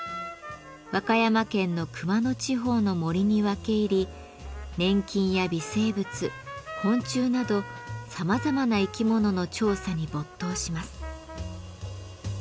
和歌山県の熊野地方の森に分け入り粘菌や微生物昆虫などさまざまな生き物の調査に没頭します。